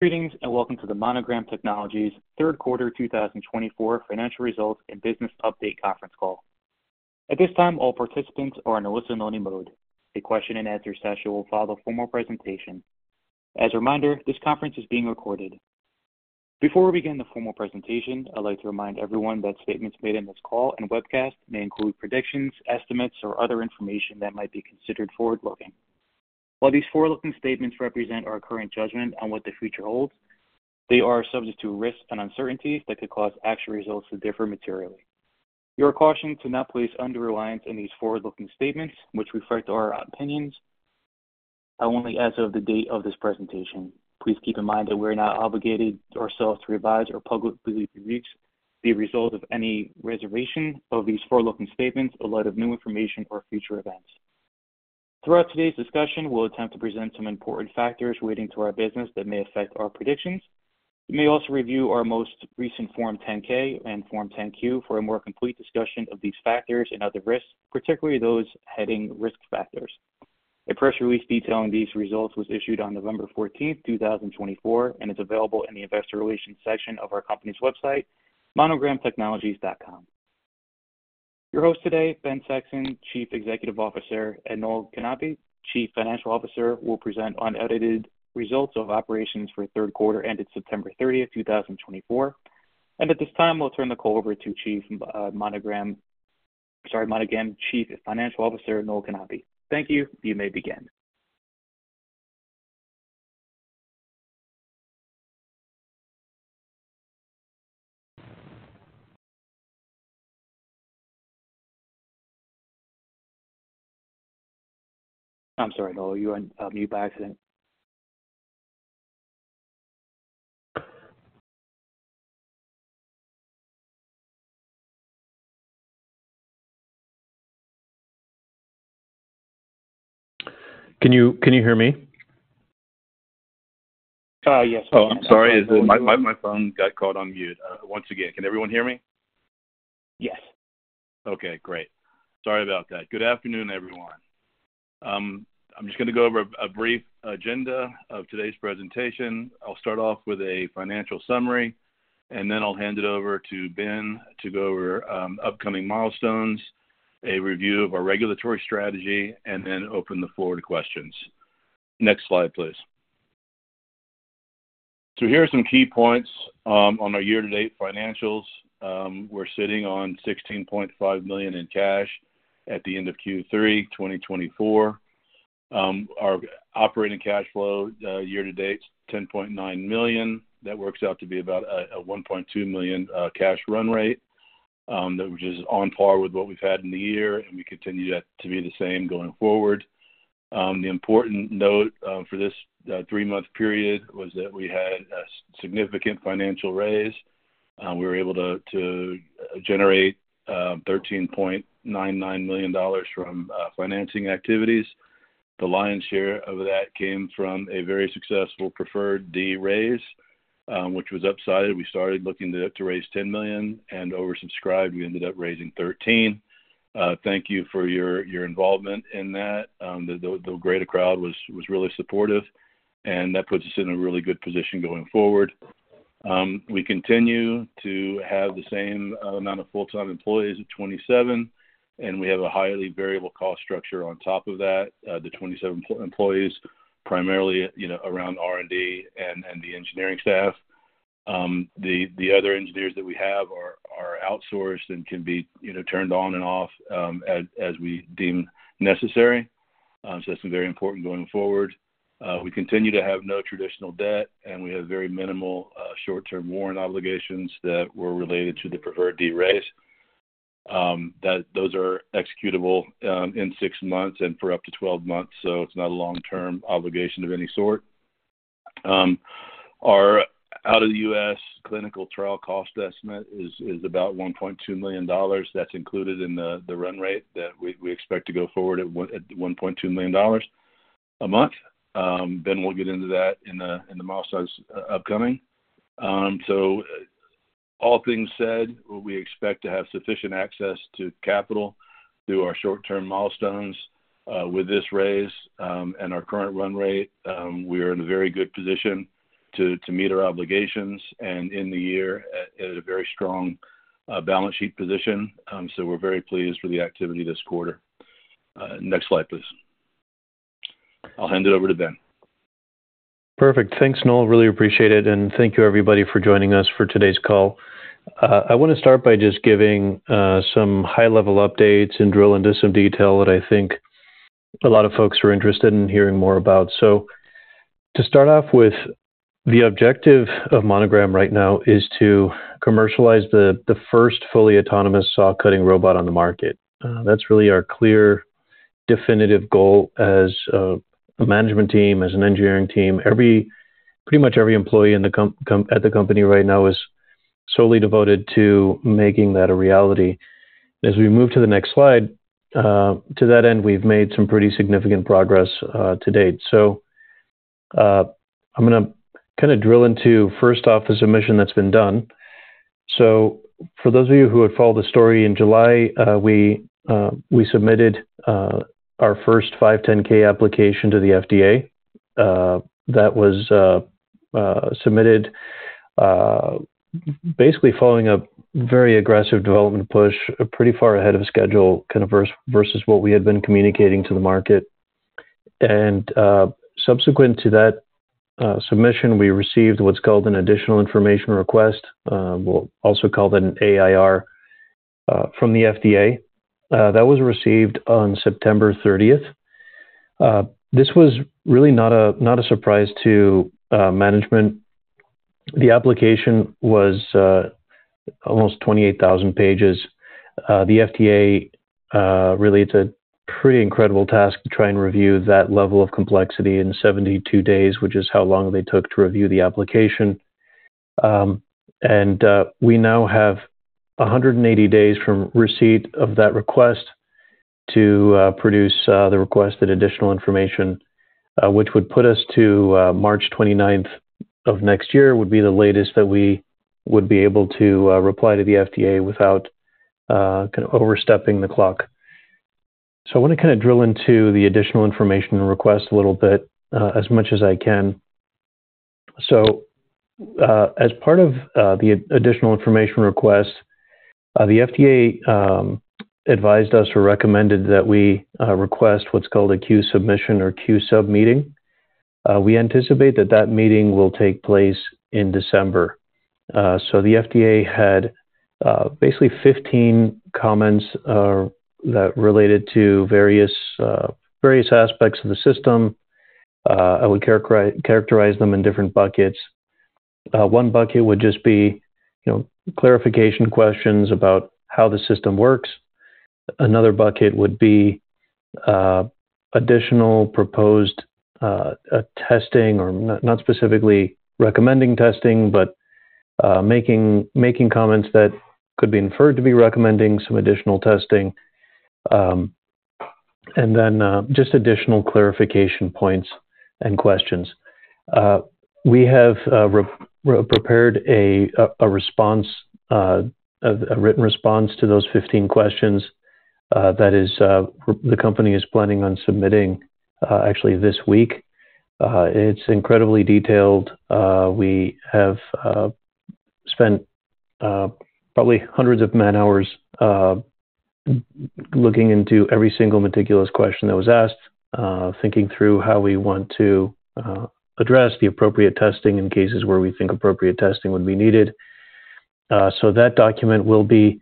Greetings and welcome to the Monogram Technologies Third Quarter 2024 Financial Results and Business Update conference call. At this time, all participants are in listen-only mode. A question-and-answer session will follow the formal presentation. As a reminder, this conference is being recorded. Before we begin the formal presentation, I'd like to remind everyone that statements made in this call and webcast may include predictions, estimates, or other information that might be considered forward-looking. While these forward-looking statements represent our current judgment on what the future holds, they are subject to risks and uncertainties that could cause actual results to differ materially. We caution you not to place undue reliance on these forward-looking statements, which reflect our opinions only as of the date of this presentation. Please keep in mind that we are not obligated ourselves to revise or publicly release the results of any revision of these forward-looking statements in light of new information or future events. Throughout today's discussion, we'll attempt to present some important factors relating to our business that may affect our predictions. We may also review our most recent Form 10-K and Form 10-Q for a more complete discussion of these factors and other risks, particularly those under the heading Risk Factors. A press release detailing these results was issued on November 14, 2024, and is available in the investor relations section of our company's website, monogramtechnologies.com. Your host today, Ben Sexson, Chief Executive Officer, and Noel Knape, Chief Financial Officer, will present unaudited results of operations for third quarter ended September 30, 2024. At this time, I'll turn the call over to Monogram Chief Financial Officer, Noel Knape. Thank you. You may begin. I'm sorry, Noel. You went on mute by accident. Can you hear me? Yes. Oh, I'm sorry. My phone got caught on mute. Once again, can everyone hear me? Yes. Okay. Great. Sorry about that. Good afternoon, everyone. I'm just going to go over a brief agenda of today's presentation. I'll start off with a financial summary, and then I'll hand it over to Ben to go over upcoming milestones, a review of our regulatory strategy, and then open the floor to questions. Next slide, please. So here are some key points on our year-to-date financials. We're sitting on $16.5 million in cash at the end of Q3 2024. Our operating cash flow year-to-date is $10.9 million. That works out to be about a $1.2 million cash run rate, which is on par with what we've had in the year, and we continue to be the same going forward. The important note for this three-month period was that we had a significant financial raise. We were able to generate $13.99 million from financing activities. The lion's share of that came from a very successful Preferred D raise, which was upsized. We started looking to raise $10 million and oversubscribed. We ended up raising $13 million. Thank you for your involvement in that. The greater crowd was really supportive, and that puts us in a really good position going forward. We continue to have the same amount of full-time employees of 27, and we have a highly variable cost structure on top of that. The 27 employees are primarily around R&D and the engineering staff. The other engineers that we have are outsourced and can be turned on and off as we deem necessary. So that's very important going forward. We continue to have no traditional debt, and we have very minimal short-term warrant obligations that were related to the preferred D raise. Those are executable in six months and for up to 12 months, so it's not a long-term obligation of any sort. Our out-of-the-U.S. clinical trial cost estimate is about $1.2 million. That's included in the run rate that we expect to go forward at $1.2 million a month. Then we'll get into that in the milestones upcoming. So all things said, we expect to have sufficient access to capital through our short-term milestones. With this raise and our current run rate, we are in a very good position to meet our obligations and in the year at a very strong balance sheet position. So we're very pleased with the activity this quarter. Next slide, please. I'll hand it over to Ben. Perfect. Thanks, Noel. Really appreciate it, and thank you, everybody, for joining us for today's call. I want to start by just giving some high-level updates and drill into some detail that I think a lot of folks are interested in hearing more about, so to start off with, the objective of Monogram right now is to commercialize the first fully autonomous saw-cutting robot on the market. That's really our clear, definitive goal as a management team, as an engineering team. Pretty much every employee at the company right now is solely devoted to making that a reality. As we move to the next slide, to that end, we've made some pretty significant progress to date, so I'm going to kind of drill into, first off, the submission that's been done. So for those of you who had followed the story in July, we submitted our first 510(k) application to the FDA. That was submitted basically following a very aggressive development push, pretty far ahead of schedule versus what we had been communicating to the market. And subsequent to that submission, we received what's called an Additional Information Request, also called an AIR, from the FDA. That was received on September 30. This was really not a surprise to management. The application was almost 28,000 pages. The FDA relates a pretty incredible task to try and review that level of complexity in 72 days, which is how long they took to review the application. We now have 180 days from receipt of that request to produce the requested additional information, which would put us to March 29 of next year, would be the latest that we would be able to reply to the FDA without kind of overstepping the clock. I want to kind of drill into the Additional Information Request a little bit as much as I can. As part of the Additional Information Request, the FDA advised us or recommended that we request what's called a Q-Submission or Q-Sub meeting. We anticipate that that meeting will take place in December. The FDA had basically 15 comments that related to various aspects of the system. I would characterize them in different buckets. One bucket would just be clarification questions about how the system works. Another bucket would be additional proposed testing, or not specifically recommending testing, but making comments that could be inferred to be recommending some additional testing. And then just additional clarification points and questions. We have prepared a written response to those 15 questions that the company is planning on submitting actually this week. It's incredibly detailed. We have spent probably hundreds of man-hours looking into every single meticulous question that was asked, thinking through how we want to address the appropriate testing in cases where we think appropriate testing would be needed. So that document will be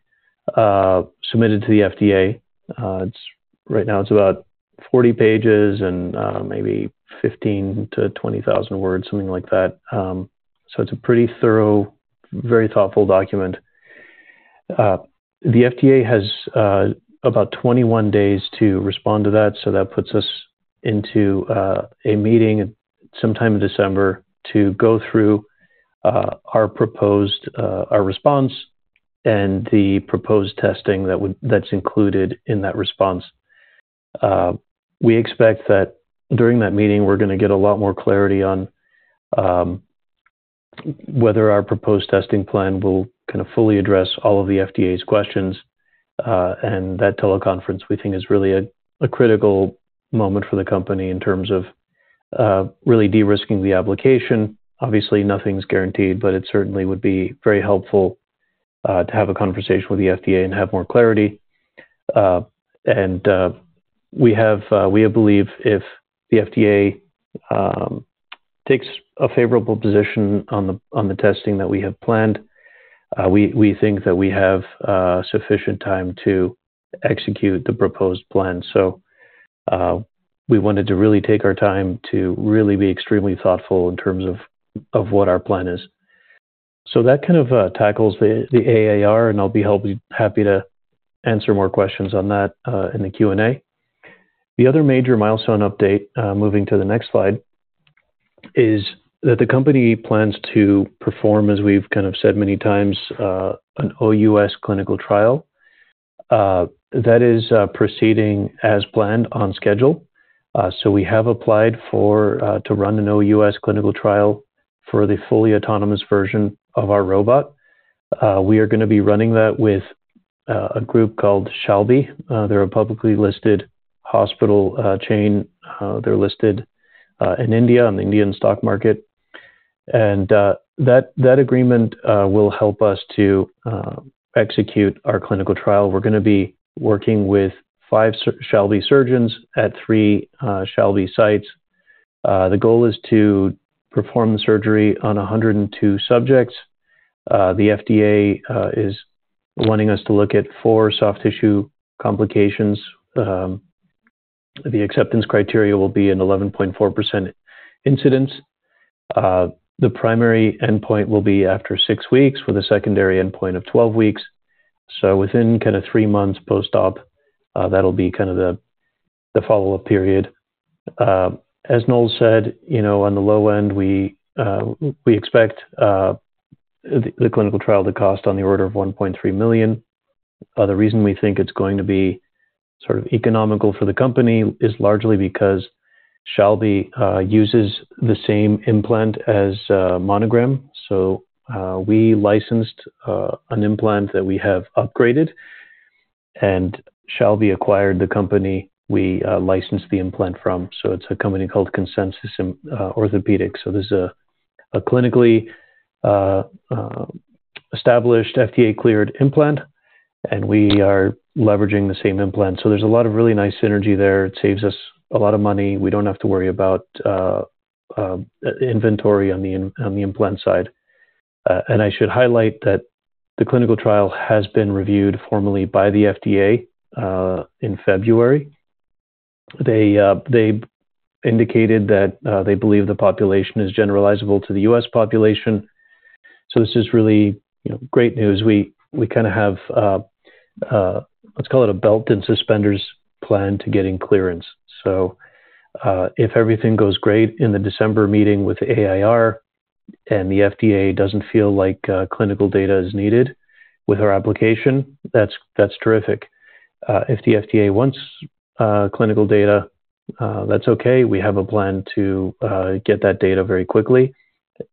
submitted to the FDA. Right now, it's about 40 pages and maybe 15,000-20,000 words, something like that. So it's a pretty thorough, very thoughtful document. The FDA has about 21 days to respond to that, so that puts us into a meeting sometime in December to go through our response. The proposed testing that's included in that response. We expect that during that meeting, we're going to get a lot more clarity on whether our proposed testing plan will kind of fully address all of the FDA's questions. That teleconference, we think, is really a critical moment for the company in terms of really de-risking the application. Obviously, nothing's guaranteed, but it certainly would be very helpful to have a conversation with the FDA and have more clarity. We believe if the FDA takes a favorable position on the testing that we have planned, we think that we have sufficient time to execute the proposed plan. We wanted to really take our time to really be extremely thoughtful in terms of what our plan is. That kind of tackles the AIR, and I'll be happy to answer more questions on that in the Q&A. The other major milestone update, moving to the next slide, is that the company plans to perform, as we've kind of said many times, an OUS clinical trial. That is proceeding as planned on schedule, so we have applied to run an OUS clinical trial for the fully autonomous version of our robot. We are going to be running that with a group called Shalby. They're a publicly listed hospital chain. They're listed in India on the Indian stock market, and that agreement will help us to execute our clinical trial. We're going to be working with five Shalby surgeons at three Shalby sites. The goal is to perform the surgery on 102 subjects. The FDA is wanting us to look at four soft tissue complications. The acceptance criteria will be an 11.4% incidence. The primary endpoint will be after six weeks with a secondary endpoint of 12 weeks. Within kind of three months post-op, that'll be kind of the follow-up period. As Noel said, on the low end, we expect the clinical trial to cost on the order of $1.3 million. The reason we think it's going to be sort of economical for the company is largely because Shalby uses the same implant as Monogram. So we licensed an implant that we have upgraded, and Shalby acquired the company we licensed the implant from. So it's a company called Consensus Orthopedics. So this is a clinically established FDA-cleared implant, and we are leveraging the same implant. So there's a lot of really nice synergy there. It saves us a lot of money. We don't have to worry about inventory on the implant side. And I should highlight that the clinical trial has been reviewed formally by the FDA in February. They indicated that they believe the population is generalizable to the U.S. population. So this is really great news. We kind of have, let's call it a belt and suspenders plan to getting clearance. So if everything goes great in the December meeting with the AIR and the FDA doesn't feel like clinical data is needed with our application, that's terrific. If the FDA wants clinical data, that's okay. We have a plan to get that data very quickly.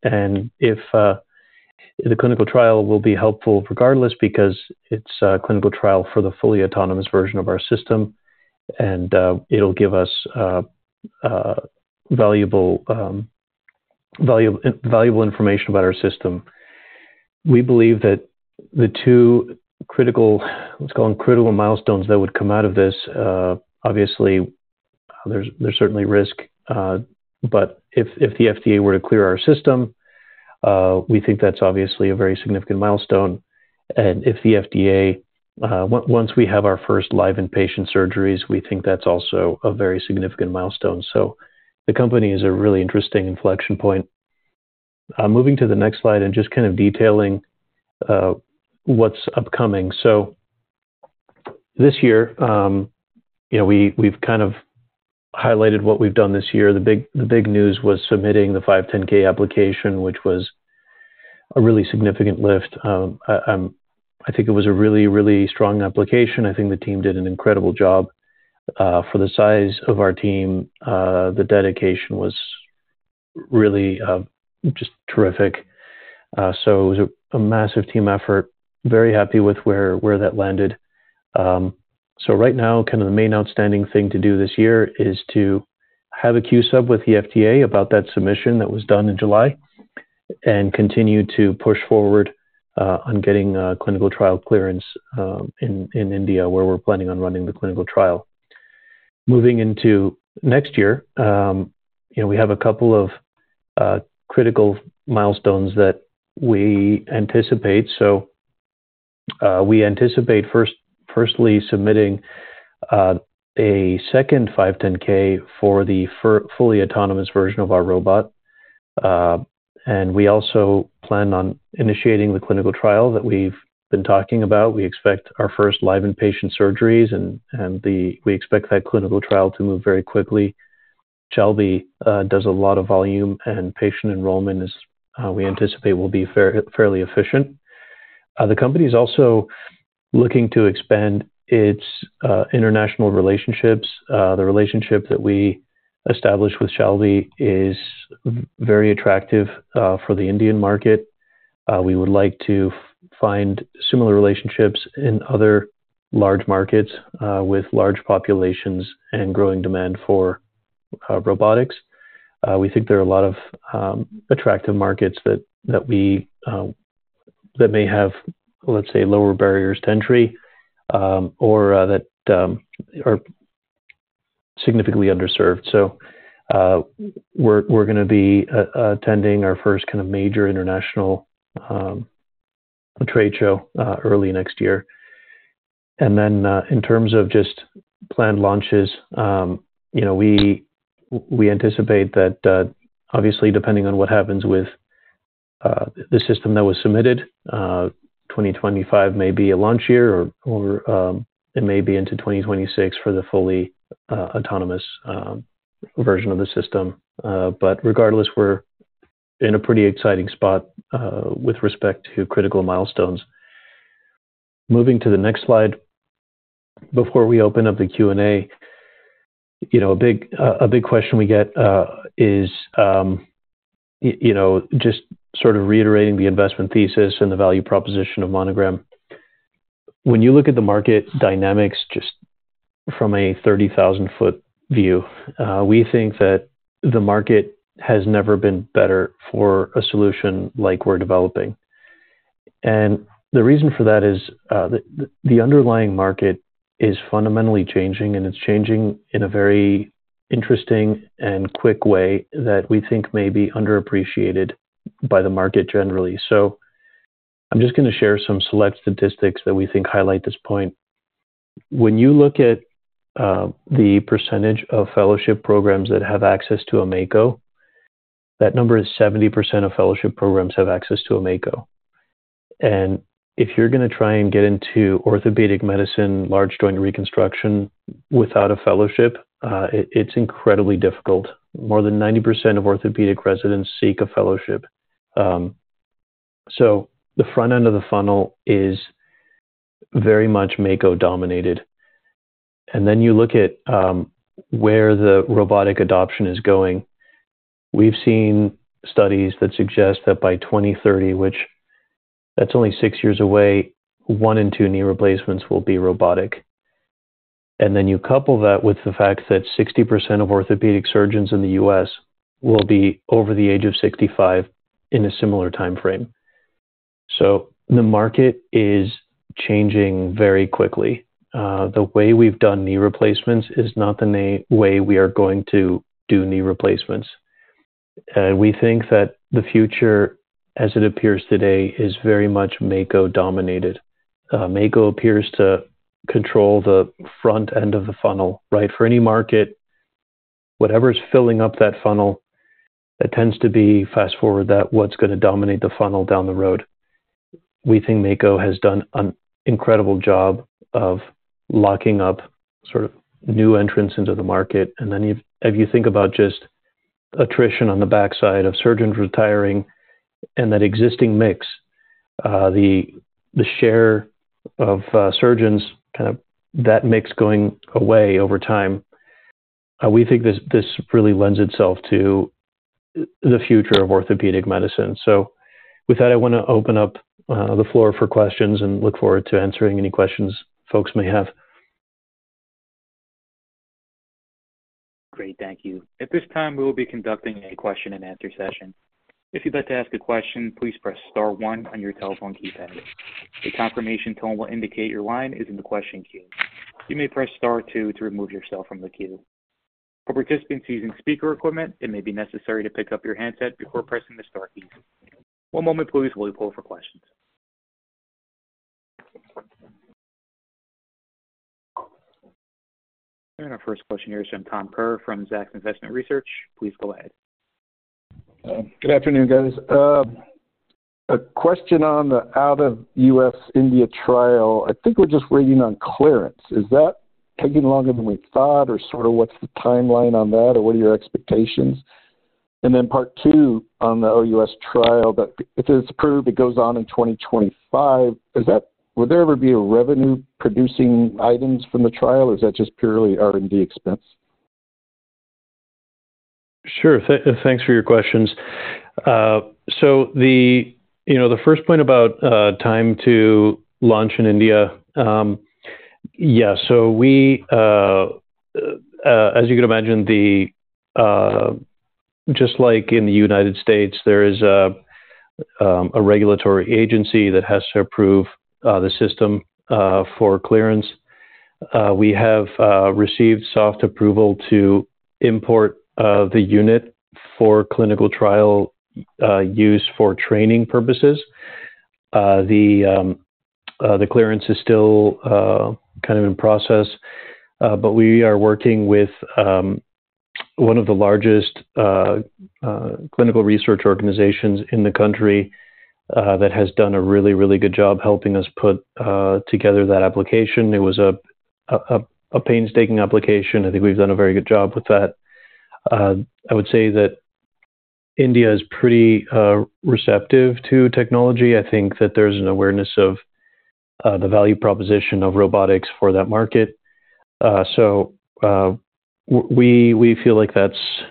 And the clinical trial will be helpful regardless because it's a clinical trial for the fully autonomous version of our system, and it'll give us valuable information about our system. We believe that the two critical, let's call them critical milestones that would come out of this, obviously, there's certainly risk. But if the FDA were to clear our system, we think that's obviously a very significant milestone. If the FDA, once we have our first live inpatient surgeries, we think that's also a very significant milestone. The company is a really interesting inflection point. Moving to the next slide and just kind of detailing what's upcoming. This year, we've kind of highlighted what we've done this year. The big news was submitting the 510(k) application, which was a really significant lift. I think it was a really, really strong application. I think the team did an incredible job. For the size of our team, the dedication was really just terrific. It was a massive team effort. Very happy with where that landed. So right now, kind of the main outstanding thing to do this year is to have a Q-Sub with the FDA about that submission that was done in July and continue to push forward on getting clinical trial clearance in India, where we're planning on running the clinical trial. Moving into next year, we have a couple of critical milestones that we anticipate. So we anticipate, firstly, submitting a second 510(k) for the fully autonomous version of our robot. And we also plan on initiating the clinical trial that we've been talking about. We expect our first live inpatient surgeries, and we expect that clinical trial to move very quickly. Shalby does a lot of volume, and patient enrollment, we anticipate, will be fairly efficient. The company is also looking to expand its international relationships. The relationship that we established with Shalby is very attractive for the Indian market. We would like to find similar relationships in other large markets with large populations and growing demand for robotics. We think there are a lot of attractive markets that may have, let's say, lower barriers to entry or that are significantly underserved. So we're going to be attending our first kind of major international trade show early next year. And then in terms of just planned launches, we anticipate that, obviously, depending on what happens with the system that was submitted, 2025 may be a launch year, or it may be into 2026 for the fully autonomous version of the system. But regardless, we're in a pretty exciting spot with respect to critical milestones. Moving to the next slide. Before we open up the Q&A, a big question we get is just sort of reiterating the investment thesis and the value proposition of Monogram. When you look at the market dynamics just from a 30,000-foot view, we think that the market has never been better for a solution like we're developing. And the reason for that is the underlying market is fundamentally changing, and it's changing in a very interesting and quick way that we think may be underappreciated by the market generally. So I'm just going to share some select statistics that we think highlight this point. When you look at the percentage of fellowship programs that have access to a Mako, that number is 70% of fellowship programs have access to a Mako. And if you're going to try and get into orthopedic medicine, large joint reconstruction without a fellowship, it's incredibly difficult. More than 90% of orthopedic residents seek a fellowship. So the front end of the funnel is very much Mako dominated. And then you look at where the robotic adoption is going. We've seen studies that suggest that by 2030, which that's only six years away, one in two knee replacements will be robotic. And then you couple that with the fact that 60% of orthopedic surgeons in the U.S. will be over the age of 65 in a similar timeframe. So the market is changing very quickly. The way we've done knee replacements is not the way we are going to do knee replacements. And we think that the future, as it appears today, is very much Mako dominated. Mako appears to control the front end of the funnel, right? For any market, whatever's filling up that funnel, it tends to be fast forward that what's going to dominate the funnel down the road. We think Mako has done an incredible job of locking up sort of new entrants into the market, and then if you think about just attrition on the backside of surgeons retiring and that existing mix, the share of surgeons, kind of that mix going away over time, we think this really lends itself to the future of orthopedic medicine, so with that, I want to open up the floor for questions and look forward to answering any questions folks may have. Great. Thank you. At this time, we will be conducting a question-and-answer session. If you'd like to ask a question, please press star one on your telephone keypad. The confirmation tone will indicate your line is in the question queue. You may press star two to remove yourself from the queue. For participants using speaker equipment, it may be necessary to pick up your handset before pressing the star keys. One moment, please, while we poll for questions, and our first question here is from Tom Kerr from Zacks Investment Research. Please go ahead. Good afternoon, guys. A question on the out-of-U.S. India trial. I think we're just waiting on clearance. Is that taking longer than we thought, or sort of what's the timeline on that, or what are your expectations? And then part two on the OUS trial, if it's approved, it goes on in 2025. Would there ever be revenue-producing items from the trial, or is that just purely R&D expense? Sure. Thanks for your questions. So the first point about time to launch in India, yeah. So as you can imagine, just like in the United States, there is a regulatory agency that has to approve the system for clearance. We have received soft approval to import the unit for clinical trial use for training purposes. The clearance is still kind of in process, but we are working with one of the largest clinical research organizations in the country that has done a really, really good job helping us put together that application. It was a painstaking application. I think we've done a very good job with that. I would say that India is pretty receptive to technology. I think that there's an awareness of the value proposition of robotics for that market. We feel like that's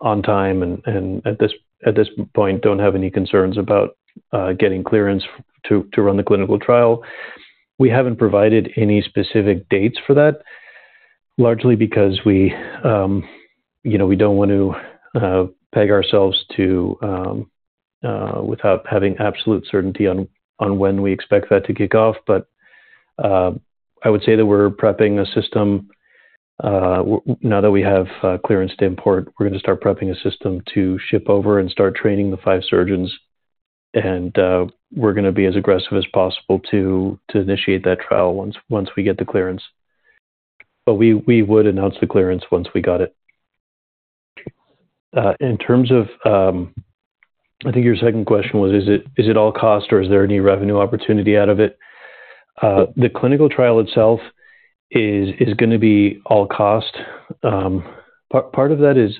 on time, and at this point, we don't have any concerns about getting clearance to run the clinical trial. We haven't provided any specific dates for that, largely because we don't want to peg ourselves without having absolute certainty on when we expect that to kick off. But I would say that we're prepping a system. Now that we have clearance to import, we're going to start prepping a system to ship over and start training the five surgeons. And we're going to be as aggressive as possible to initiate that trial once we get the clearance. But we would announce the clearance once we got it. In terms of, I think your second question was, is it all cost, or is there any revenue opportunity out of it? The clinical trial itself is going to be all cost. Part of that is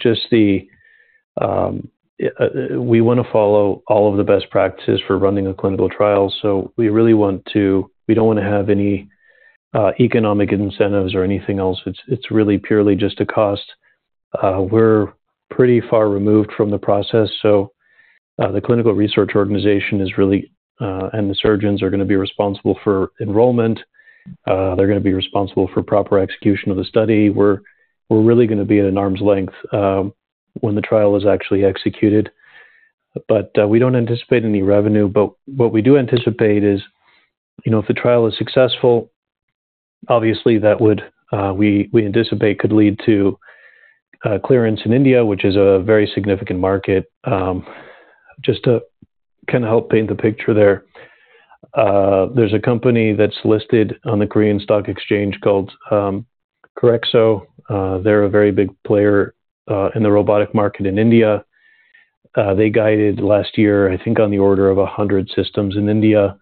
just we want to follow all of the best practices for running a clinical trial. So we really don't want to have any economic incentives or anything else. It's really purely just a cost. We're pretty far removed from the process. So the clinical research organization is really, and the surgeons are going to be responsible for enrollment. They're going to be responsible for proper execution of the study. We're really going to be at an arm's length when the trial is actually executed. But we don't anticipate any revenue. But what we do anticipate is if the trial is successful, obviously, we anticipate could lead to clearance in India, which is a very significant market. Just to kind of help paint the picture there, there's a company that's listed on the Korean stock exchange called CUREXO. They're a very big player in the robotic market in India. They guided last year, I think, on the order of 100 systems in India.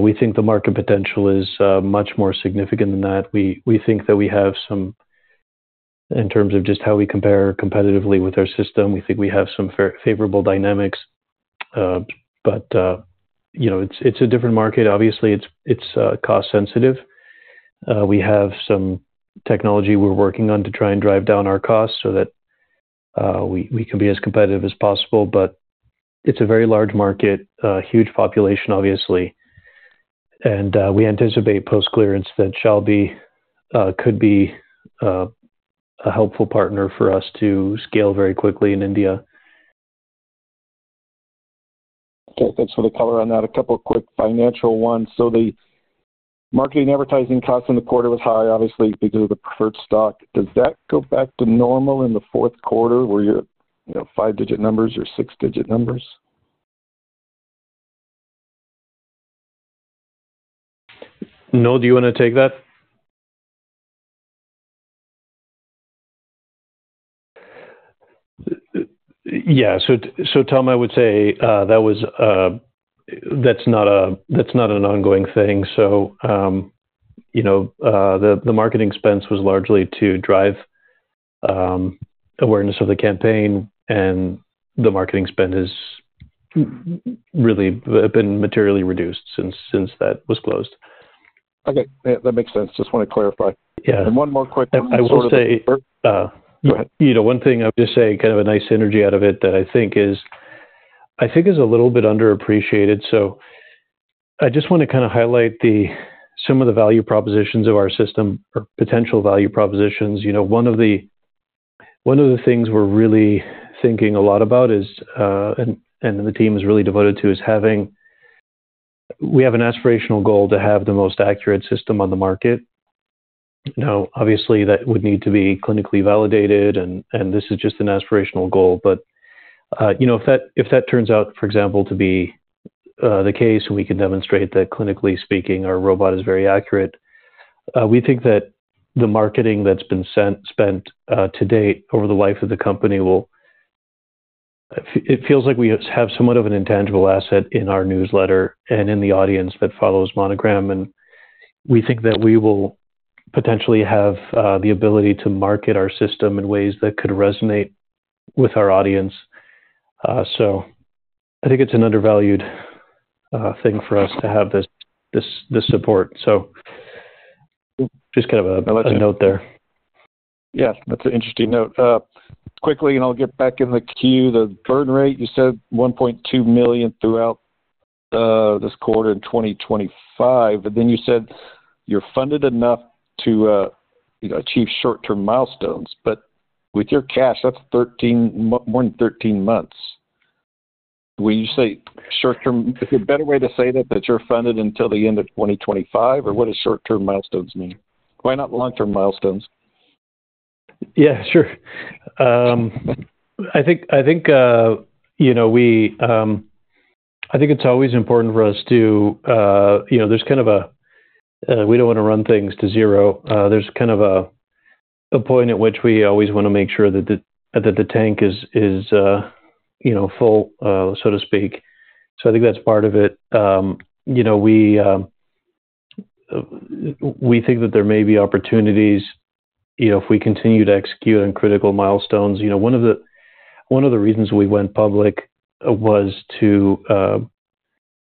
We think the market potential is much more significant than that. We think that we have some, in terms of just how we compare competitively with our system, we think we have some favorable dynamics. But it's a different market. Obviously, it's cost-sensitive. We have some technology we're working on to try and drive down our costs so that we can be as competitive as possible. But it's a very large market, huge population, obviously. And we anticipate post-clearance that could be a helpful partner for us to scale very quickly in India. Okay. Thanks for the color on that. A couple of quick financial ones. So the marketing advertising cost in the quarter was high, obviously, because of the preferred stock. Does that go back to normal in the fourth quarter? Were you at five-digit numbers or six-digit numbers? Noel, do you want to take that? Yeah. So Tom, I would say that's not an ongoing thing. So the marketing expense was largely to drive awareness of the campaign, and the marketing spend has really been materially reduced since that was closed. Okay. That makes sense. Just want to clarify and one more quick question. One thing I would just say, kind of a nice synergy out of it that I think is a little bit underappreciated. So I just want to kind of highlight some of the value propositions of our system or potential value propositions. One of the things we're really thinking a lot about, and the team is really devoted to, is we have an aspirational goal to have the most accurate system on the market. Now, obviously, that would need to be clinically validated, and this is just an aspirational goal. But if that turns out, for example, to be the case, and we can demonstrate that, clinically speaking, our robot is very accurate, we think that the marketing that's been spent to date over the life of the company will, it feels like, we have somewhat of an intangible asset in our newsletter and in the audience that follows Monogram. And we think that we will potentially have the ability to market our system in ways that could resonate with our audience. So I think it's an undervalued thing for us to have this support. So just kind of a note there. Yeah. That's an interesting note. Quickly, and I'll get back in the queue, the burn rate, you said $1.2 million throughout this quarter in 2025. But then you said you're funded enough to achieve short-term milestones. But with your cash, that's more than 13 months. When you say short-term, is it a better way to say that, that you're funded until the end of 2025? Or what does short-term milestones mean? Why not long-term milestones? Yeah. Sure. I think it's always important for us to. There's kind of a, we don't want to run things to zero. There's kind of a point at which we always want to make sure that the tank is full, so to speak. So I think that's part of it. We think that there may be opportunities if we continue to execute on critical milestones. One of the reasons we went public was to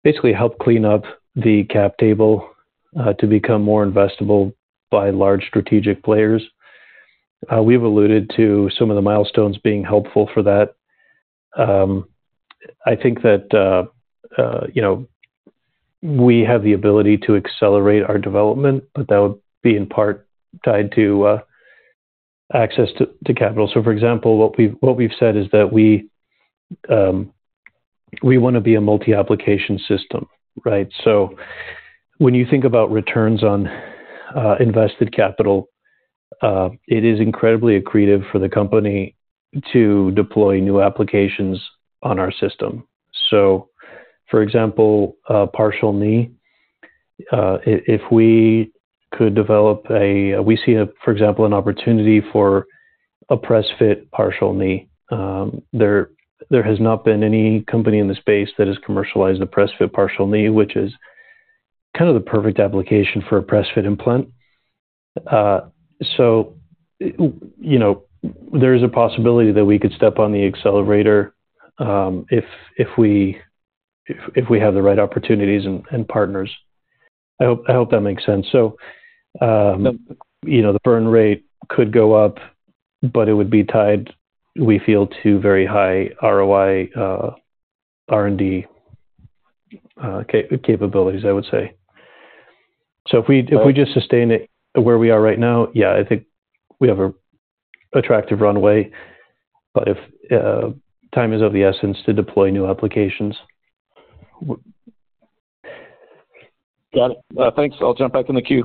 basically help clean up the cap table to become more investable by large strategic players. We've alluded to some of the milestones being helpful for that. I think that we have the ability to accelerate our development, but that would be in part tied to access to capital. So, for example, what we've said is that we want to be a multi-application system, right? So when you think about returns on invested capital, it is incredibly accretive for the company to deploy new applications on our system. So, for example, partial knee, if we could develop. We see, for example, an opportunity for a press-fit partial knee. There has not been any company in the space that has commercialized a press-fit partial knee, which is kind of the perfect application for a press-fit implant. So there is a possibility that we could step on the accelerator if we have the right opportunities and partners. I hope that makes sense. So the burn rate could go up, but it would be tied, we feel, to very high ROI R&D capabilities, I would say. So if we just sustain it where we are right now, yeah, I think we have an attractive runway. But time is of the essence to deploy new applications. Got it. Thanks. I'll jump back in the queue.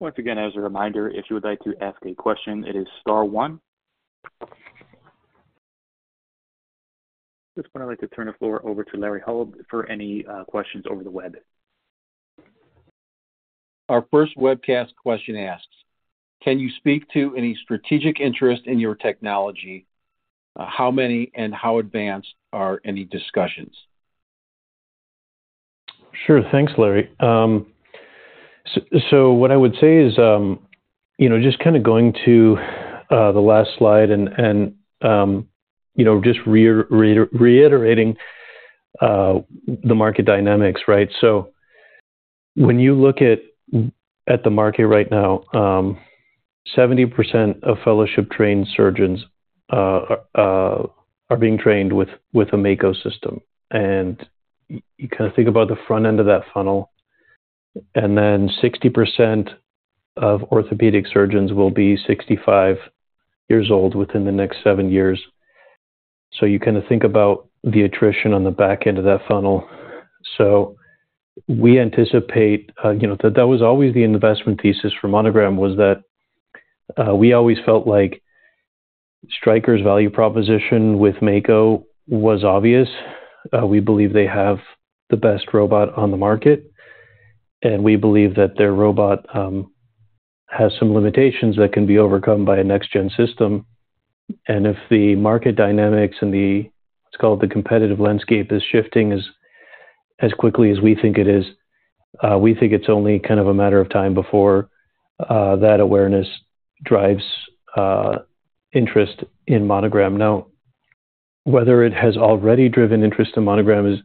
Once again, as a reminder, if you would like to ask a question, it is star one. At this point, I'd like to turn the floor over to Larry Holub for any questions over the web. Our first webcast question asks, "Can you speak to any strategic interest in your technology? How many and how advanced are any discussions? Sure. Thanks, Larry. So what I would say is just kind of going to the last slide and just reiterating the market dynamics, right? So when you look at the market right now, 70% of fellowship-trained surgeons are being trained with a Mako system. And you kind of think about the front end of that funnel, and then 60% of orthopedic surgeons will be 65 years old within the next seven years. So you kind of think about the attrition on the back end of that funnel. So we anticipate that that was always the investment thesis for Monogram, was that we always felt like Stryker's value proposition with Mako was obvious. We believe they have the best robot on the market, and we believe that their robot has some limitations that can be overcome by a next-gen system. If the market dynamics and what's called the competitive landscape is shifting as quickly as we think it is, we think it's only kind of a matter of time before that awareness drives interest in Monogram. Now, whether it has already driven interest in Monogram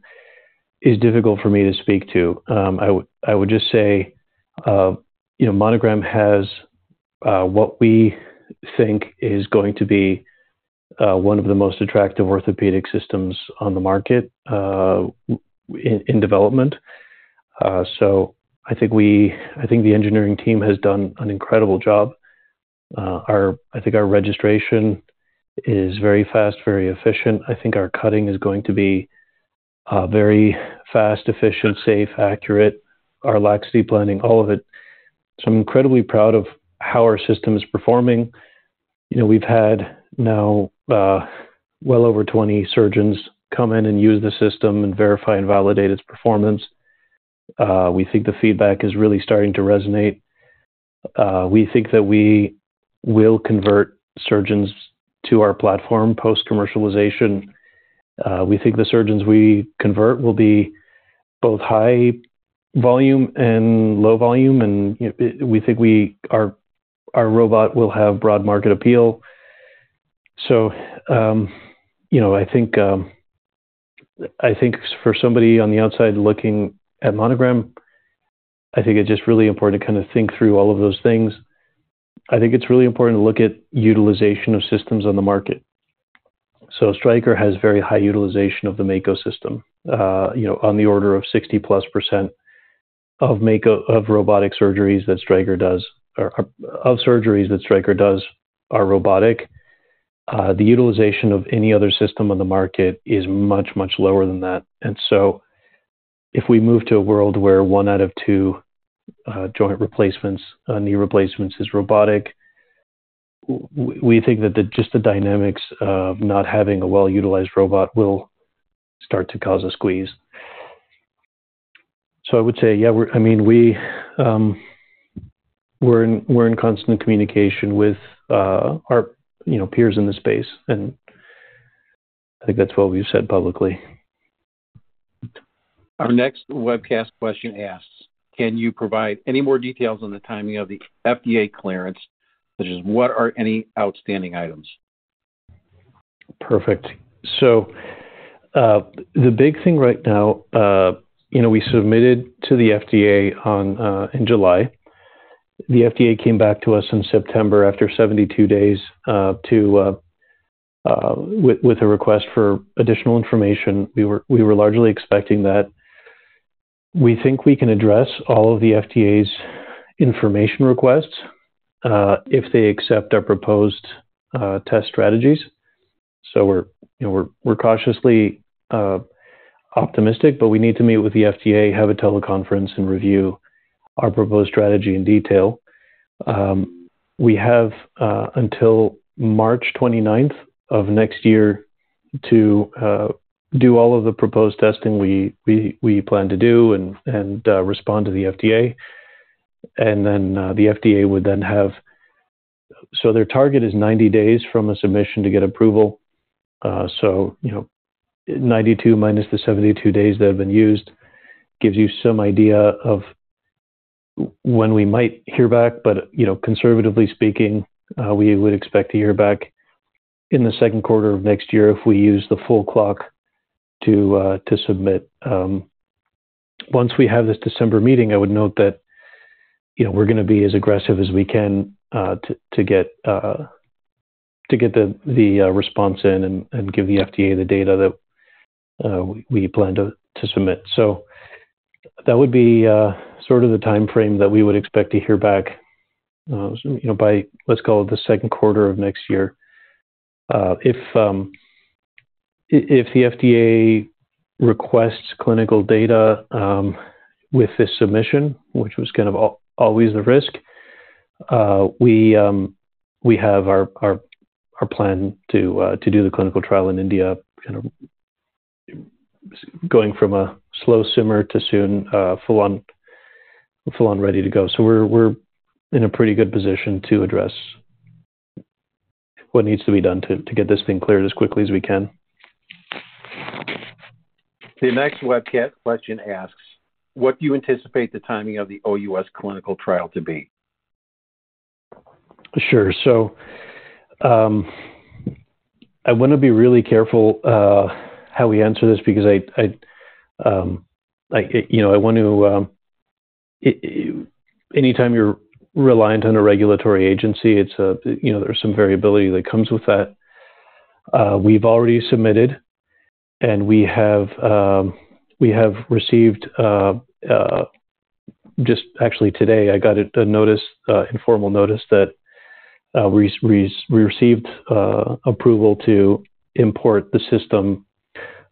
is difficult for me to speak to. I would just say Monogram has what we think is going to be one of the most attractive orthopedic systems on the market in development. I think the engineering team has done an incredible job. I think our registration is very fast, very efficient. I think our cutting is going to be very fast, efficient, safe, accurate. Our laxity planning, all of it. I'm incredibly proud of how our system is performing. We've had now well over 20 surgeons come in and use the system and verify and validate its performance. We think the feedback is really starting to resonate. We think that we will convert surgeons to our platform post-commercialization. We think the surgeons we convert will be both high volume and low volume, and we think our robot will have broad market appeal, so I think for somebody on the outside looking at Monogram, I think it's just really important to kind of think through all of those things. I think it's really important to look at utilization of systems on the market, so Stryker has very high utilization of the Mako system, on the order of 60%+ of robotic surgeries that Stryker does or of surgeries that Stryker does are robotic. The utilization of any other system on the market is much, much lower than that. And so if we move to a world where one out of two joint replacements, knee replacements is robotic, we think that just the dynamics of not having a well-utilized robot will start to cause a squeeze. So I would say, yeah, I mean, we're in constant communication with our peers in the space. And I think that's what we've said publicly. Our next webcast question asks, "Can you provide any more details on the timing of the FDA clearance, such as what are any outstanding items? Perfect. So the big thing right now, we submitted to the FDA in July. The FDA came back to us in September after 72 days with a request for additional information. We were largely expecting that. We think we can address all of the FDA's information requests if they accept our proposed test strategies. So we're cautiously optimistic, but we need to meet with the FDA, have a teleconference, and review our proposed strategy in detail. We have until March 29th of next year to do all of the proposed testing we plan to do and respond to the FDA. And then the FDA would then have so their target is 90 days from a submission to get approval. So 92 minus the 72 days that have been used gives you some idea of when we might hear back. But conservatively speaking, we would expect to hear back in the second quarter of next year if we use the full clock to submit. Once we have this December meeting, I would note that we're going to be as aggressive as we can to get the response in and give the FDA the data that we plan to submit. So that would be sort of the timeframe that we would expect to hear back by, let's call it, the second quarter of next year. If the FDA requests clinical data with this submission, which was kind of always the risk, we have our plan to do the clinical trial in India, kind of going from a slow simmer to soon full-on ready to go. So we're in a pretty good position to address what needs to be done to get this thing cleared as quickly as we can. The next webcast question asks, "What do you anticipate the timing of the OUS clinical trial to be? Sure. So I want to be really careful how we answer this because I want to anytime you're reliant on a regulatory agency, there's some variability that comes with that. We've already submitted, and we have received just actually today, I got a notice, informal notice, that we received approval to import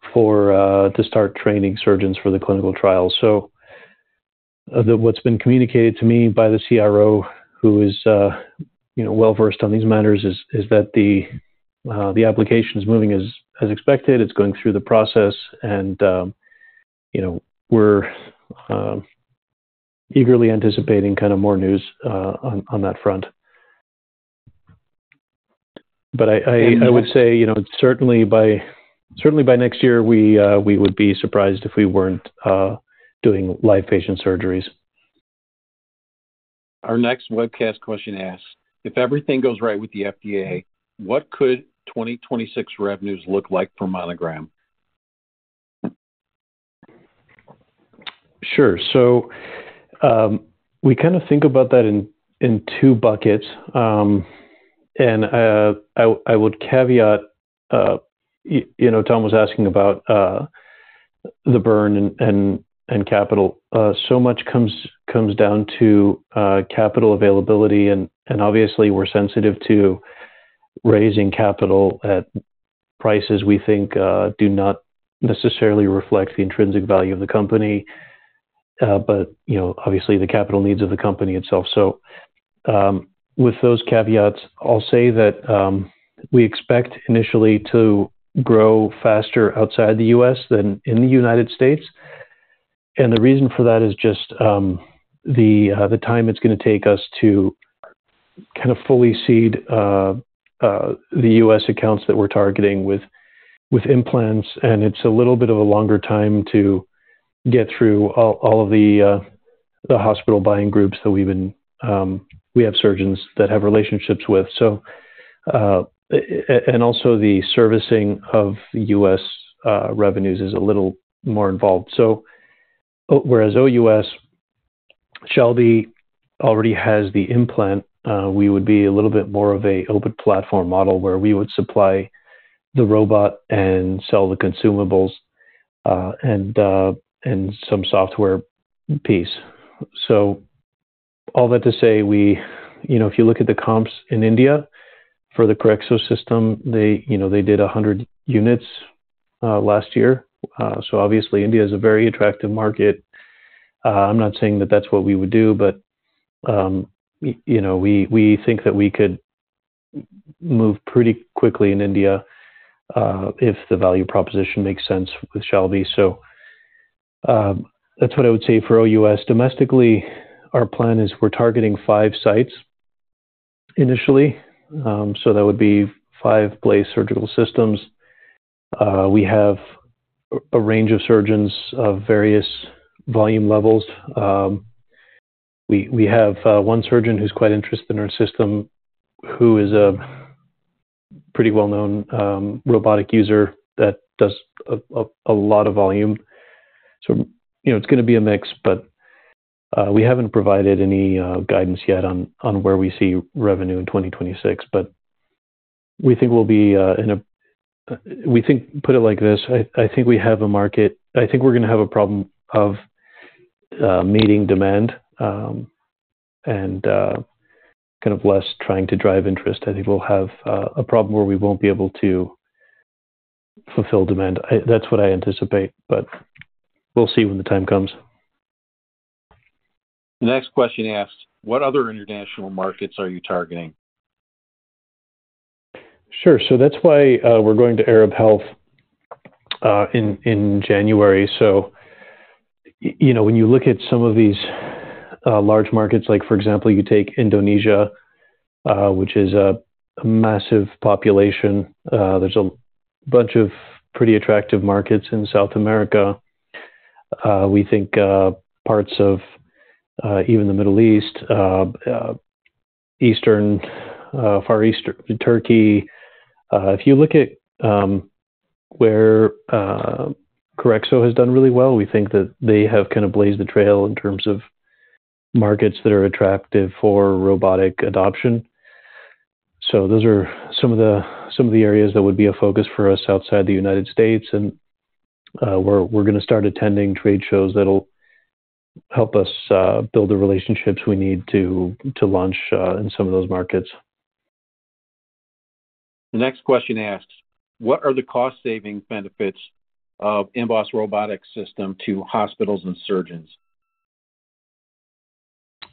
the system to start training surgeons for the clinical trial. So what's been communicated to me by the CRO, who is well-versed on these matters, is that the application is moving as expected. It's going through the process. And we're eagerly anticipating kind of more news on that front. But I would say certainly by next year, we would be surprised if we weren't doing live patient surgeries. Our next webcast question asks, "If everything goes right with the FDA, what could 2026 revenues look like for Monogram? Sure. So we kind of think about that in two buckets. And I would caveat Tom was asking about the burn and capital. So much comes down to capital availability. And obviously, we're sensitive to raising capital at prices we think do not necessarily reflect the intrinsic value of the company, but obviously the capital needs of the company itself. So with those caveats, I'll say that we expect initially to grow faster outside the U.S. than in the United States. And the reason for that is just the time it's going to take us to kind of fully seed the U.S. accounts that we're targeting with implants. And it's a little bit of a longer time to get through all of the hospital buying groups that we have surgeons that have relationships with. And also, the servicing of U.S. revenues is a little more involved. So whereas OUS, Shalby already has the implant, we would be a little bit more of an open platform model where we would supply the robot and sell the consumables and some software piece. So all that to say, if you look at the comps in India for the CUREXO system, they did 100 units last year. So obviously, India is a very attractive market. I'm not saying that that's what we would do, but we think that we could move pretty quickly in India if the value proposition makes sense with Shalby. So that's what I would say for OUS. Domestically, our plan is we're targeting five sites initially. So that would be five placed surgical systems. We have a range of surgeons of various volume levels. We have one surgeon who's quite interested in our system, who is a pretty well-known robotic user that does a lot of volume. So it's going to be a mix, but we haven't provided any guidance yet on where we see revenue in 2026. But we think, put it like this, I think we have a market. I think we're going to have a problem of meeting demand and kind of less trying to drive interest. I think we'll have a problem where we won't be able to fulfill demand. That's what I anticipate, but we'll see when the time comes. The next question asks, "What other international markets are you targeting? Sure. So that's why we're going to Arab Health in January. So when you look at some of these large markets, for example, you take Indonesia, which is a massive population. There's a bunch of pretty attractive markets in South America. We think parts of even the Middle East, Eastern, Far Eastern, Turkey. If you look at where CUREXO has done really well, we think that they have kind of blazed the trail in terms of markets that are attractive for robotic adoption. So those are some of the areas that would be a focus for us outside the United States. And we're going to start attending trade shows that'll help us build the relationships we need to launch in some of those markets. The next question asks, "What are the cost-saving benefits of mBôs Robotics System to hospitals and surgeons?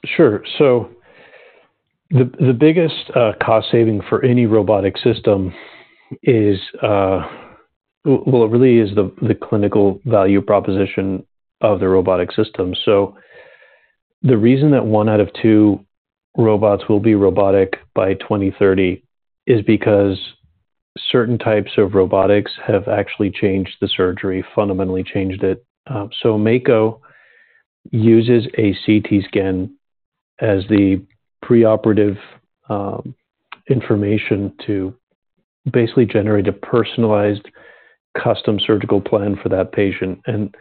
Sure. So the biggest cost saving for any robotic system is, well, it really is the clinical value proposition of the robotic system. So the reason that one out of two robots will be robotic by 2030 is because certain types of robotics have actually changed the surgery, fundamentally changed it. So Mako uses a CT scan as the preoperative information to basically generate a personalized custom surgical plan for that patient. And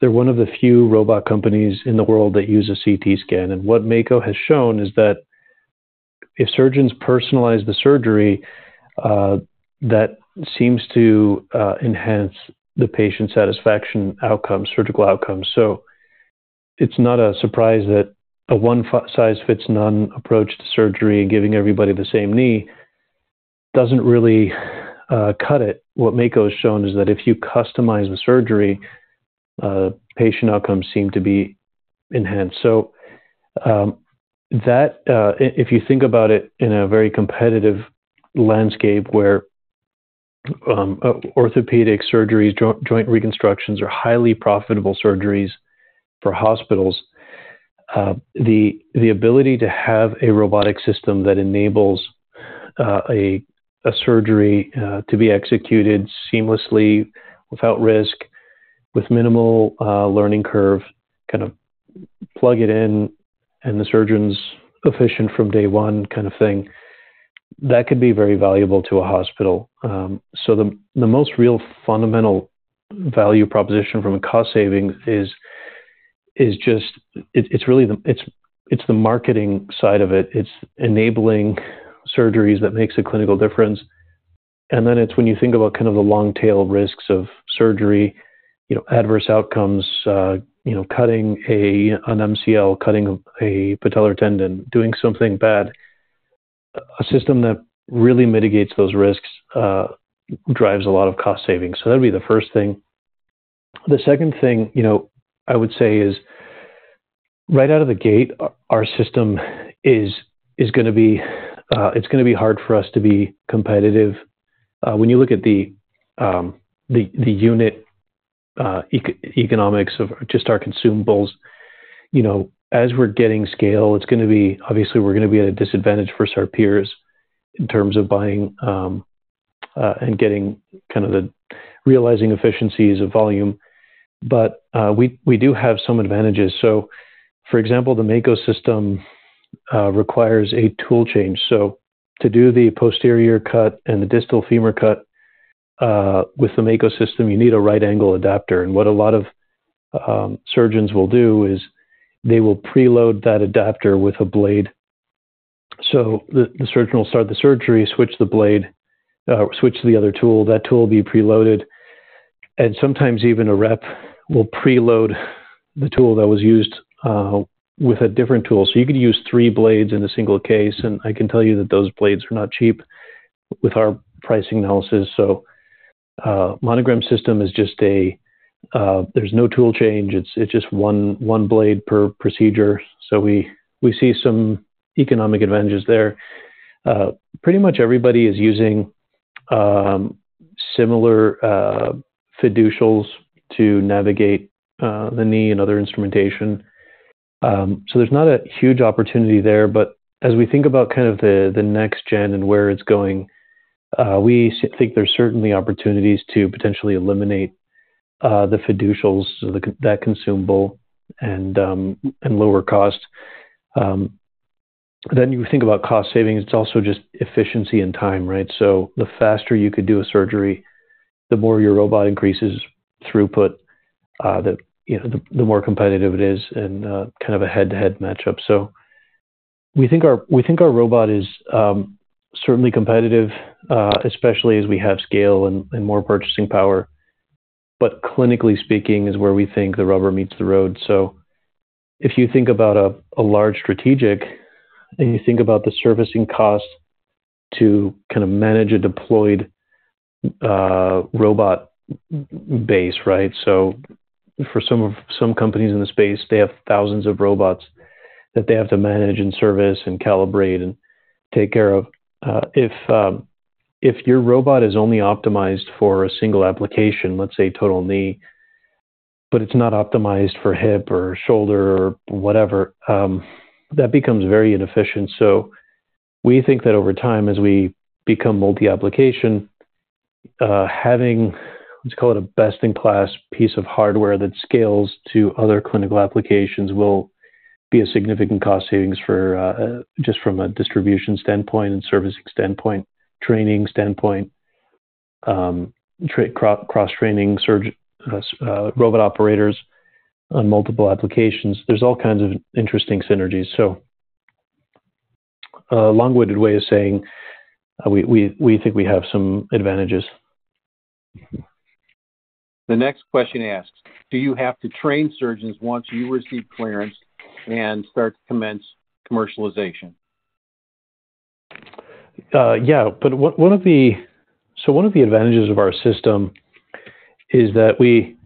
they're one of the few robot companies in the world that use a CT scan. And what Mako has shown is that if surgeons personalize the surgery, that seems to enhance the patient's satisfaction outcomes, surgical outcomes. So it's not a surprise that a one-size-fits-none approach to surgery and giving everybody the same knee doesn't really cut it. What Mako has shown is that if you customize the surgery, patient outcomes seem to be enhanced. So if you think about it in a very competitive landscape where orthopedic surgeries, joint reconstructions are highly profitable surgeries for hospitals, the ability to have a robotic system that enables a surgery to be executed seamlessly without risk, with minimal learning curve, kind of plug it in, and the surgeon's efficient from day one kind of thing, that could be very valuable to a hospital. So the most real fundamental value proposition from a cost saving is just it's the marketing side of it. It's enabling surgeries that makes a clinical difference. And then it's when you think about kind of the long-tail risks of surgery, adverse outcomes, cutting an MCL, cutting a patellar tendon, doing something bad. A system that really mitigates those risks drives a lot of cost savings. So that would be the first thing. The second thing I would say is right out of the gate, our system is going to be hard for us to be competitive. When you look at the unit economics of just our consumables, as we're getting scale, it's going to be, obviously, we're going to be at a disadvantage versus our peers in terms of buying and getting kind of the realizing efficiencies of volume. But we do have some advantages. So for example, the Mako system requires a tool change. So to do the posterior cut and the distal femur cut with the Mako system, you need a right-angle adapter. And what a lot of surgeons will do is they will preload that adapter with a blade. So the surgeon will start the surgery, switch the blade, switch to the other tool. That tool will be preloaded. Sometimes even a rep will preload the tool that was used with a different tool. So you could use three blades in a single case. And I can tell you that those blades are not cheap with our pricing analysis. So the Monogram System is just; there's no tool change. It's just one blade per procedure. So we see some economic advantages there. Pretty much everybody is using similar fiducials to navigate the knee and other instrumentation. So there's not a huge opportunity there. But as we think about kind of the next-gen and where it's going, we think there's certainly opportunities to potentially eliminate the fiducials, that consumable, and lower cost. Then you think about cost savings. It's also just efficiency and time, right? So the faster you could do a surgery, the more your robot increases throughput, the more competitive it is, and kind of a head-to-head matchup. So we think our robot is certainly competitive, especially as we have scale and more purchasing power. But clinically speaking, is where we think the rubber meets the road. So if you think about a large strategic and you think about the servicing cost to kind of manage a deployed robot base, right? So for some companies in the space, they have thousands of robots that they have to manage and service and calibrate and take care of. If your robot is only optimized for a single application, let's say total knee, but it's not optimized for hip or shoulder or whatever, that becomes very inefficient. So we think that over time, as we become multi-application, having let's call it a best-in-class piece of hardware that scales to other clinical applications will be a significant cost savings just from a distribution standpoint and servicing standpoint, training standpoint, cross-training robot operators on multiple applications. There's all kinds of interesting synergies. So a long-winded way of saying we think we have some advantages. The next question asks, "Do you have to train surgeons once you receive clearance and start to commence commercialization? Yeah. One of the advantages of our system is that the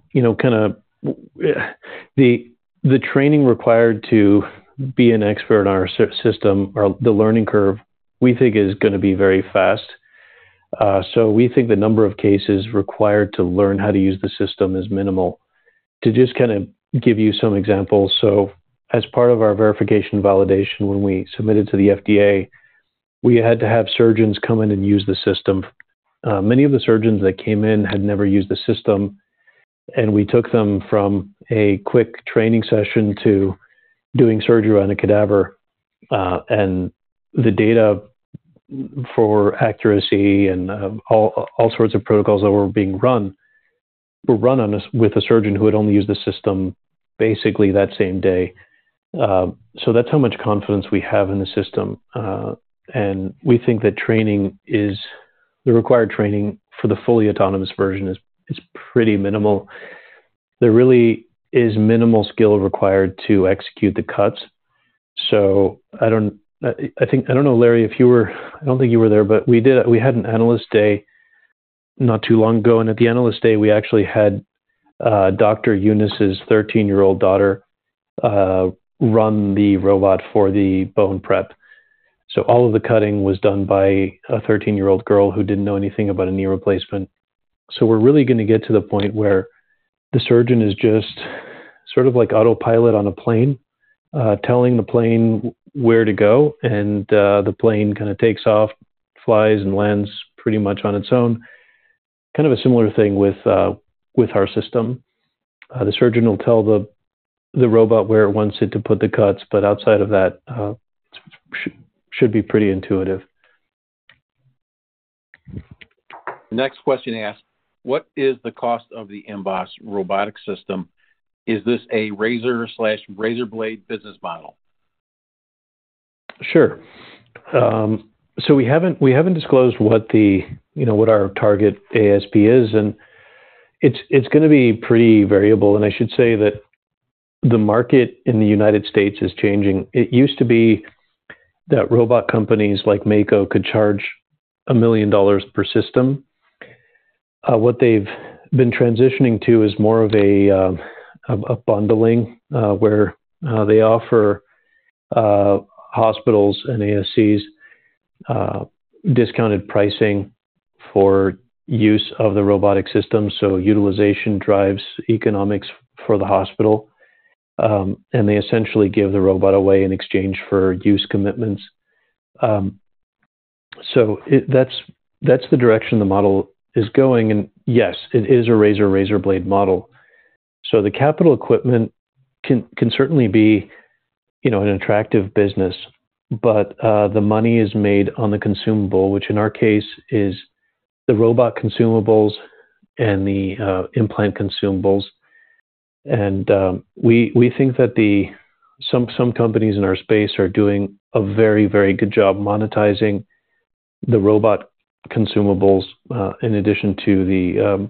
kind of training required to be an expert on our system, the learning curve, we think is going to be very fast. We think the number of cases required to learn how to use the system is minimal. To just kind of give you some examples, as part of our verification and validation, when we submitted to the FDA, we had to have surgeons come in and use the system. Many of the surgeons that came in had never used the system. We took them from a quick training session to doing surgery on a cadaver. The data for accuracy and all sorts of protocols that were being run were run with a surgeon who had only used the system basically that same day. So that's how much confidence we have in the system. And we think that training is, the required training for the fully autonomous version, is pretty minimal. There really is minimal skill required to execute the cuts. So I don't know, Larry, if you were there. I don't think you were there, but we had an Analyst Day not too long ago. And at the Analyst Day, we actually had Dr. Unis’ 13-year-old daughter run the robot for the bone prep. So all of the cutting was done by a 13-year-old girl who didn't know anything about a knee replacement. So we're really going to get to the point where the surgeon is just sort of like autopilot on a plane, telling the plane where to go. And the plane kind of takes off, flies, and lands pretty much on its own. Kind of a similar thing with our system. The surgeon will tell the robot where it wants it to put the cuts, but outside of that, it should be pretty intuitive. The next question asks, "What is the cost of the mBôs Robotics System? Is this a razor/razor blade business model? Sure. So we haven't disclosed what our target ASP is. And it's going to be pretty variable. And I should say that the market in the United States is changing. It used to be that robot companies like Mako could charge $1 million per system. What they've been transitioning to is more of a bundling where they offer hospitals and ASCs discounted pricing for use of the robotic system. So utilization drives economics for the hospital. And they essentially give the robot away in exchange for use commitments. So that's the direction the model is going. And yes, it is a razor/razor blade model. So the capital equipment can certainly be an attractive business, but the money is made on the consumable, which in our case is the robot consumables and the implant consumables. And we think that some companies in our space are doing a very, very good job monetizing the robot consumables in addition to the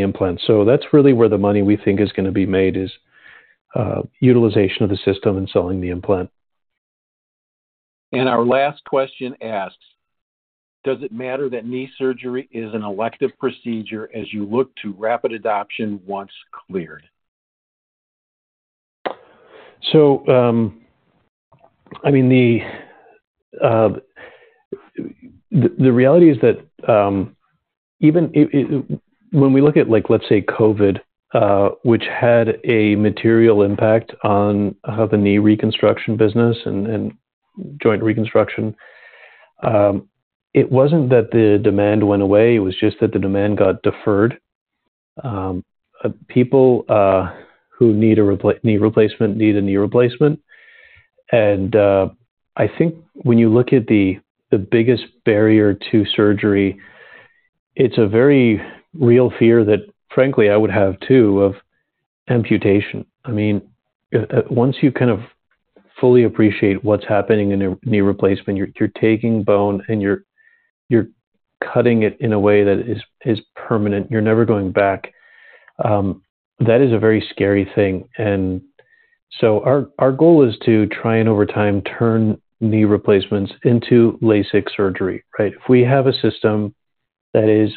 implants. So that's really where the money we think is going to be made is utilization of the system and selling the implant. Our last question asks, "Does it matter that knee surgery is an elective procedure as you look to rapid adoption once cleared? I mean, the reality is that even when we look at, let's say, COVID, which had a material impact on the knee reconstruction business and joint reconstruction, it wasn't that the demand went away. It was just that the demand got deferred. People who need a knee replacement need a knee replacement. And I think when you look at the biggest barrier to surgery, it's a very real fear that, frankly, I would have too, of amputation. I mean, once you kind of fully appreciate what's happening in a knee replacement, you're taking bone and you're cutting it in a way that is permanent. You're never going back. That is a very scary thing. And so our goal is to try and, over time, turn knee replacements into LASIK surgery, right? If we have a system that is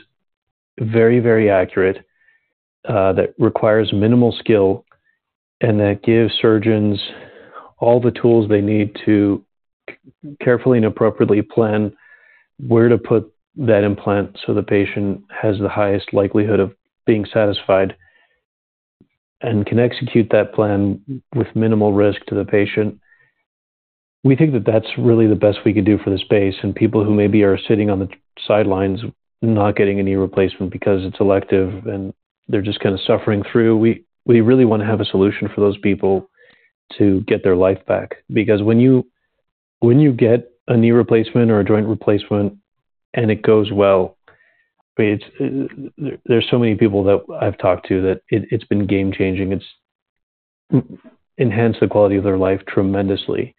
very, very accurate, that requires minimal skill, and that gives surgeons all the tools they need to carefully and appropriately plan where to put that implant so the patient has the highest likelihood of being satisfied and can execute that plan with minimal risk to the patient, we think that that's really the best we could do for the space. And people who maybe are sitting on the sidelines not getting a knee replacement because it's elective and they're just kind of suffering through, we really want to have a solution for those people to get their life back. Because when you get a knee replacement or a joint replacement and it goes well, there's so many people that I've talked to that it's been game-changing. It's enhanced the quality of their life tremendously.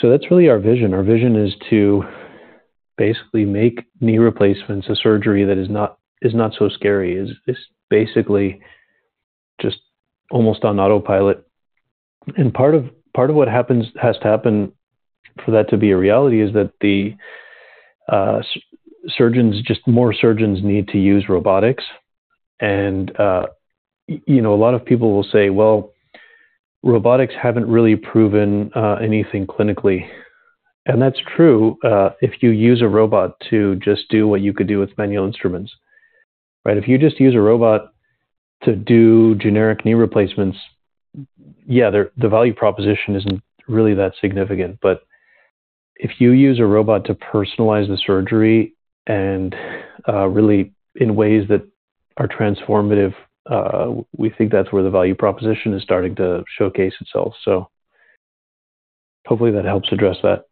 So that's really our vision. Our vision is to basically make knee replacements a surgery that is not so scary. It's basically just almost on autopilot, and part of what has to happen for that to be a reality is that more surgeons need to use robotics, and a lot of people will say, "Well, robotics haven't really proven anything clinically," and that's true if you use a robot to just do what you could do with manual instruments, right? If you just use a robot to do generic knee replacements, yeah, the value proposition isn't really that significant, but if you use a robot to personalize the surgery and really in ways that are transformative, we think that's where the value proposition is starting to showcase itself, so hopefully that helps address that.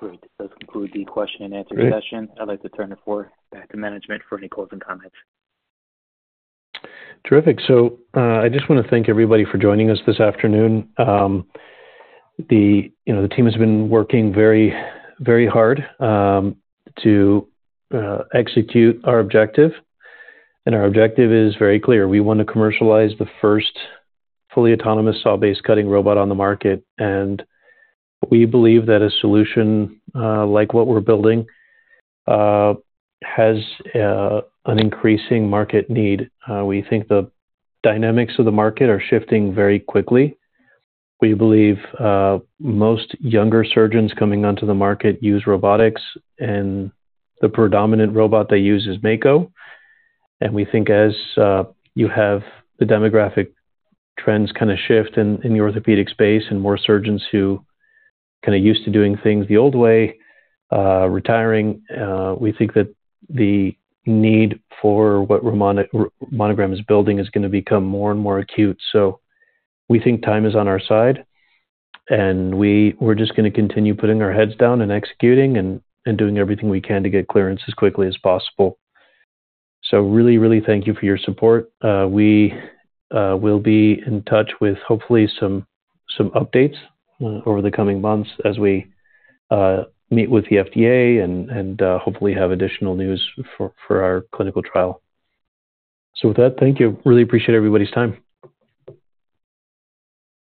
Great. That's concluded the question-and-answer session. I'd like to turn it forward back to management for any closing comments. Terrific, so I just want to thank everybody for joining us this afternoon. The team has been working very, very hard to execute our objective, and our objective is very clear. We want to commercialize the first fully autonomous saw-based cutting robot on the market, and we believe that a solution like what we're building has an increasing market need. We think the dynamics of the market are shifting very quickly. We believe most younger surgeons coming onto the market use robotics, and the predominant robot they use is Mako. And we think as you have the demographic trends kind of shift in the orthopedic space and more surgeons who kind of used to doing things the old way retiring, we think that the need for what Monogram is building is going to become more and more acute, so we think time is on our side. We're just going to continue putting our heads down and executing and doing everything we can to get clearance as quickly as possible. Really, really thank you for your support. We will be in touch with hopefully some updates over the coming months as we meet with the FDA and hopefully have additional news for our clinical trial. With that, thank you. Really appreciate everybody's time.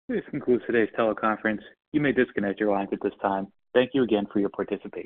This concludes today's teleconference. You may disconnect your lines at this time. Thank you again for your participation.